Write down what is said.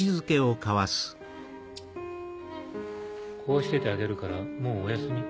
こうしててあげるからもうおやすみ。